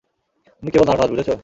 তুমি কেবল নার্ভাস, বুঝেছো?